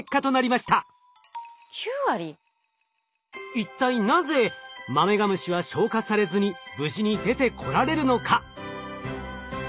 一体なぜマメガムシは消化されずに無事に出てこられるのか？